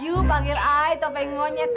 yu panggil ayah topeng monyet